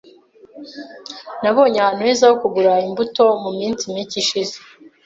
Nabonye ahantu heza ho kugura imbuto muminsi mike ishize.